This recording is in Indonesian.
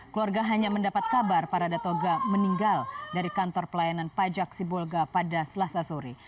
keluarga hanya mendapat kabar parada toga meninggal dari kantor pelayanan pajak sibolga pada selasa sore